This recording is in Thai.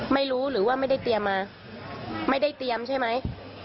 ไม่รู้หรือว่าไม่ได้เตรียมมาไม่ได้เตรียมใช่ไหม